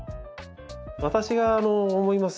私が思います